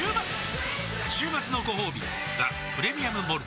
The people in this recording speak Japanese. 週末のごほうび「ザ・プレミアム・モルツ」